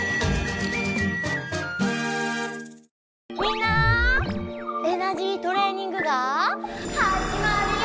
みんなエナジートレーニングがはじまるよ！